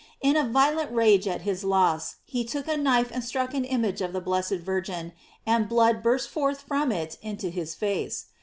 In a violent rage at his loss, he took a knife and struck an image of the blessed Virgin, and blood burst forth from it into his face.